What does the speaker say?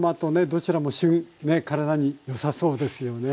どちらも旬体によさそうですよね。